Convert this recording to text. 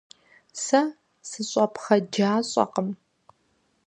Сэ сыщӏэпхъэджащӏэкъым.